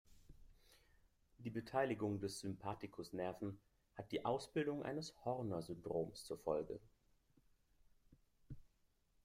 Die Beteiligung des Sympathikus-Nerven hat die Ausbildung eines Horner-Syndroms zur Folge.